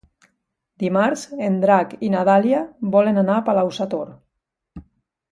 Dimarts en Drac i na Dàlia volen anar a Palau-sator.